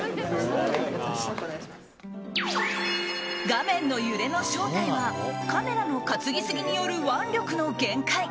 画面の揺れの正体はカメラの担ぎすぎによる腕力の限界。